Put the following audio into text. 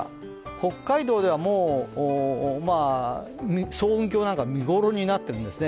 北海道では、層雲峡なんか見頃になってるんですね。